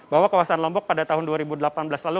bahwa kawasan lombok pada tahun dua ribu delapan belas lalu